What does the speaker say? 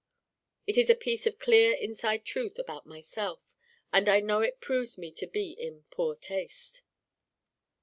It is a piece of clear inside truth about myself. And I know it proves me to be in poor Taste.